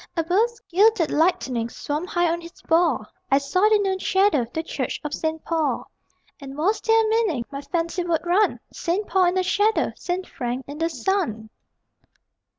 Above, gilded Lightning Swam high on his ball I saw the noon shadow The church of St. Paul. And was there a meaning? (My fancy would run), Saint Paul in the shadow, Saint Frank in the sun!